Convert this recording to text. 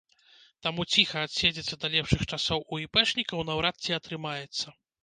Таму ціха адседзецца да лепшых часоў у іпэшнікаў наўрад ці атрымаецца.